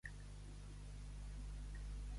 Ser de la fe d'Abraham.